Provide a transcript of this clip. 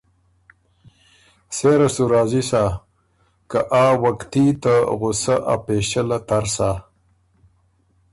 سېره سُو راضی سۀ که آ وقتي ته غصۀ ا پېݭۀ له تر سۀ۔